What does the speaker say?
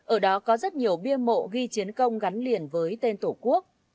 ở đó có rất nhiều bia mộ ghi chiến công gắn liền với tên tổ quốc